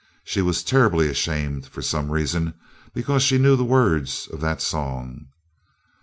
She was terribly ashamed, for some reason, because she knew the words of that song.